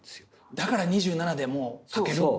だから２７でもう描けるんだ。